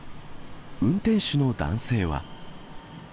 運転手の男性は。